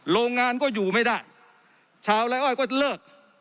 โรงงานก็อยู่ไม่ได้ชาวไร้อ้อยก็เลิก